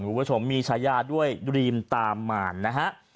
คุณผู้ชมมีฉายาด้วยดรีมตามมารนะฮะ